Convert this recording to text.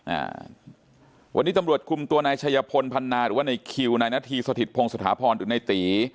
อ่าวันนี้ตำรวจคุมตัวนายชัยพลพรรณาหรือว่านายคิวนายหน้าที่สถิตภงสถาพรณ์อยู่ในตี